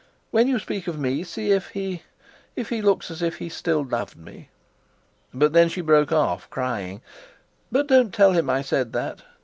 When you speak of me, see if he if he looks as if he still loved me." But then she broke off, crying, "But don't tell him I said that.